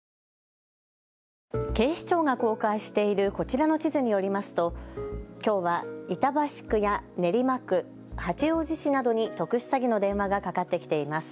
警視庁が公開しているこちらの地図によりますときょうは板橋区や練馬区、八王子市などに特殊詐欺の電話がかかってきています。